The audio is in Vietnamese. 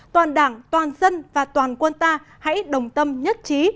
toàn đảng toàn dân và toàn quân ta hãy đồng tâm nhất trí